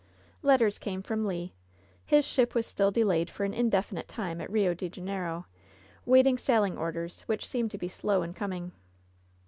Letters came from Le. His ship was still delayed for an indefinite time at Rio de Janeiro, waiting sailing orders, which seemed to be slow in coming.